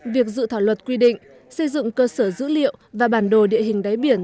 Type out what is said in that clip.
việc dự thảo luật quy định xây dựng cơ sở dữ liệu và bản đồ địa hình đáy biển